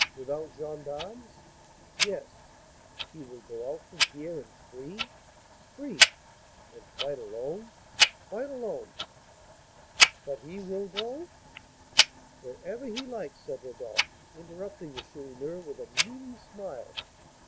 "Without gens d'armes?" "Yes." "He will go out from here, and free?" "Free." "And quite alone?" "Quite alone." "But he will go " "Wherever he likes," said Rodolph, interrupting the Chourineur with a meaning smile.